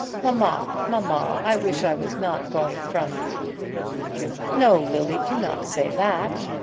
"Mamma, mamma, I wish I was not going from you." "No, Lily; do not say that.